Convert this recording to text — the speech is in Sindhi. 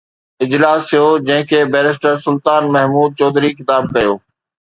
اجلاس ٿيو جنهن کي بئريسٽر سلطان محمود چوڌري خطاب ڪيو